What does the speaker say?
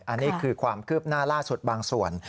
อันนี้คือความคืบหน้าล่าสุดบางส่วน